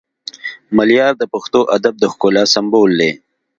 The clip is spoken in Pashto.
ملیار د پښتو ادب د ښکلا سمبول دی